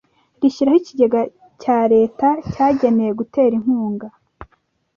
Rishyiraho ikigega cya leta cyagenewe gutera inkunga